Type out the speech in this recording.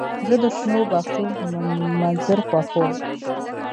زه د شنو باغچو منظر خوښوم.